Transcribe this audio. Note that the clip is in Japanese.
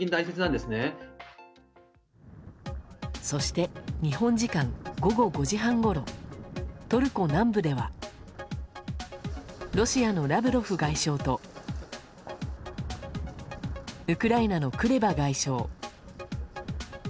そして日本時間午後５時半ごろトルコ南部ではロシアのラブロフ外相とウクライナのクレバ外相。